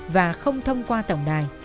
và không thông qua tổng đài